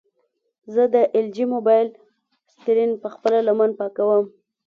زه د ایل جي موبایل سکرین په خپله لمن پاکوم.